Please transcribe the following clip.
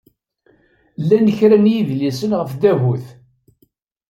Llan kra n yidlisen ɣef tdabut.